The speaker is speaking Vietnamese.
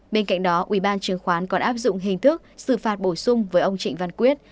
bên cạnh đó ubnd còn áp dụng hình thức xử phạt bổ sung với ông trịnh văn quyết